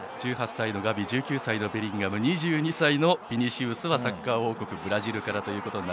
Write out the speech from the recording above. １８歳のガビ１９歳のベリンガム２２歳のヴィニシウスはサッカー王国ブラジルから。